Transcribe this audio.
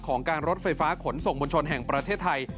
ของการรถไฟฟ้าขนส่งมวลชนแห่งประเทศไทย